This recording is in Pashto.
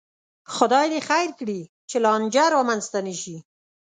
خدای دې خیر کړي، چې لانجه را منځته نشي